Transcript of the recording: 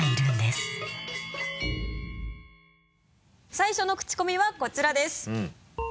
最初のクチコミはこちらです。